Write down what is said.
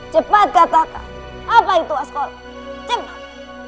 cepat katakan apa itu askol cepat